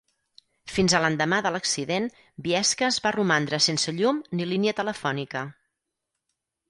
Fins a l'endemà de l'accident, Biescas va romandre sense llum ni línia telefònica.